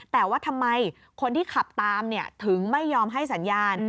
แต่ว่าทำไมคนที่ขับตามถึงไม่ยอมให้สัญญาณ